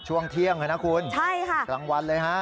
ช่วงเที่ยงใช่ไหมคุณรางวัลเลยฮะ